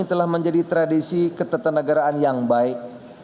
telah menjadi tradisi ketetanegaraan yang baik